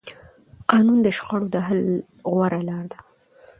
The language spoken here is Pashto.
قانون د شخړو د حل غوره لاره ده